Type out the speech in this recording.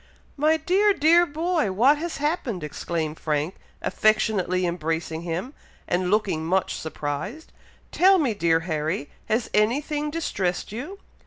"My dear dear boy! what has happened!" exclaimed Frank, affectionately embracing him, and looking much surprised. "Tell me, dear Harry, has any thing distressed you?"